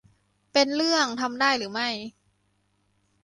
เป็นเรื่องทำได้หรือไม่